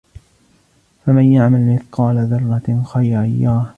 فمن يعمل مثقال ذرة خيرا يره